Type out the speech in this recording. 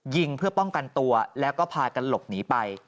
ยิงเพื่อป้องกันตัวแล้วก็พากันหลบหนีไป